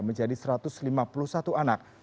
menjadi satu ratus lima puluh satu anak